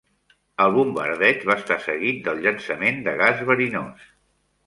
El bombardeig va estar seguit del llançament de gas verinós.